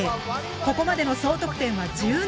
ここまでの総得点は１７。